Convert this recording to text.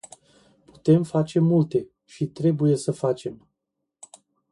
Putem face multe și trebuie să facem.